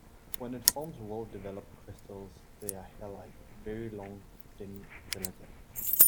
When it forms well developed crystals they are hairlike; very long, thin, and delicate.